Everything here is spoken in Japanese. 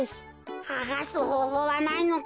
はがすほうほうはないのか？